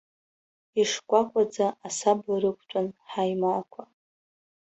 Ишкәакәаӡа асаба рықәтәан ҳаимаақәа.